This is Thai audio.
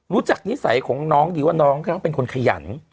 รู้จักนิสัยของน้องดีว่าน้องก็ต้องเป็นคนขยัน